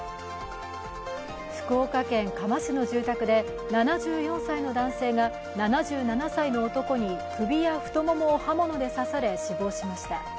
福岡県嘉麻市の住宅で、７４歳の男性が７７歳の男に首や太ももを刃物で刺され志望しました。